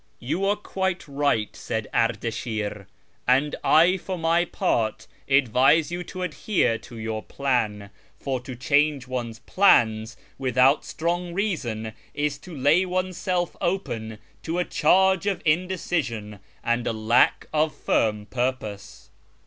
" You are quite right," said Ardashi'r, " and I for my part advise you to adhere to your plan, for to change one's plans without strong reason is to lay one's self open to a charge of indecision and lack of firm purpose."